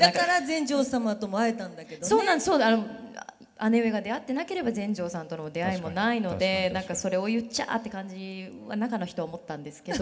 姉上が出会ってなければ全成さんとの出会いもないので何か「それを言っちゃあ」って感じは中の人は思ったんですけど。